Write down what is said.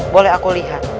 boleh aku lihat